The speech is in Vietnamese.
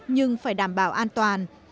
nhưng phải đảm bảo an toàn